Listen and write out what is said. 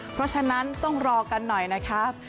เพราะฉะนั้นต้องรอกันหน่อยนะครับ